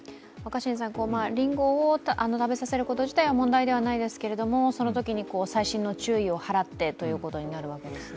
りんごを食べさせること自体は問題ではないですけれども、そのときに、細心の注意を払ってということになるわけですね。